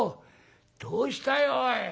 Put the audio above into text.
どうしたよおい。